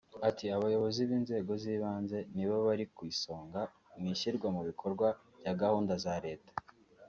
Ati “Abayobozi b’inzego z’ibanze nibo bari ku isonga mu ishyirwa mu bikorwa rya gahunda za leta